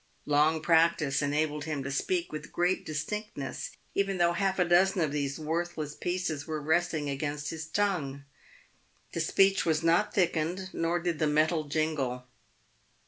Long practice enabled him to speak with great dis tinctness even though half a dozen of these worthless pieces were resting against his tongue. The speech was not thickened, nor did the metal jingle.